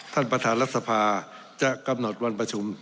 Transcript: ท่านปราธารักษภาจะกำหนดวันประชุมนี้ต่อไป